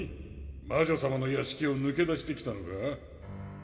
魔女さまの屋敷をぬけ出してきたのか？